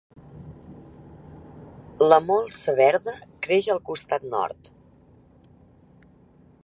La molsa verda creix al costat nord.